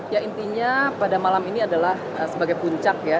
ya intinya pada malam ini adalah sebagai puncak ya